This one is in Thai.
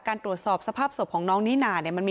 เบอร์ลูอยู่แบบนี้มั้งเยอะมาก